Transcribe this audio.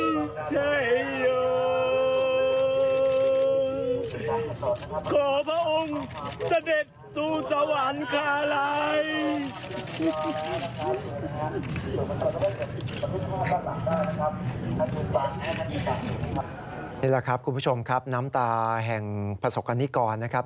นี่แหละครับคุณผู้ชมครับน้ำตาแห่งประสบกรณิกรนะครับ